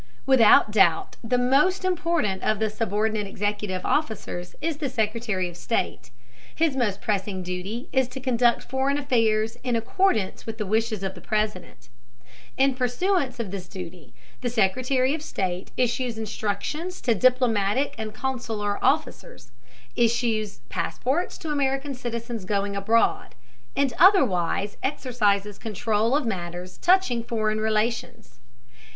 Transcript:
Without doubt the most important of the subordinate executive officers is the Secretary of State. His most pressing duty is to conduct foreign affairs in accordance with the wishes of the President. In pursuance of this duty, the Secretary of State issues instructions to diplomatic and consular officers, issues passports to American citizens going abroad, and otherwise exercises control of matters touching foreign relations.